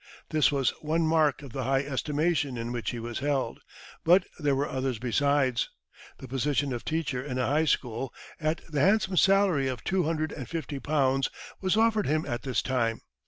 This was one mark of the high estimation in which he was held, but there were others besides. The position of teacher in a high school, at the handsome salary of two hundred and fifty pounds, was offered him at this time.